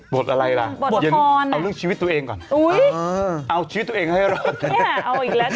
บทอะไรล่ะเอาเรื่องชีวิตตัวเองก่อนเอาชีวิตตัวเองให้รอด